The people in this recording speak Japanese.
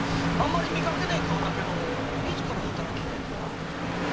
あまり見かけねえ顔だけどいつから働きに出てるんだ？